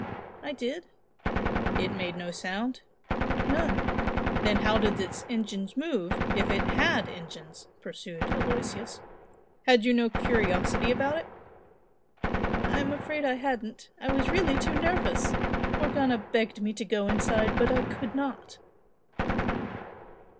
"I did." "It made no sound?" "None." "Then how did its engines move, if it HAD engines?" pursued Aloysius "Had you no curiosity about it?" "I'm afraid I hadn't I was really too nervous! Morgana begged me to go inside, but I could not!"